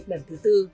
lần thứ bốn